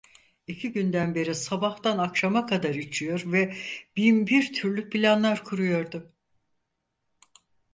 İki günden beri sabahtan akşama kadar içiyor ve binbir türlü planlar kuruyordu.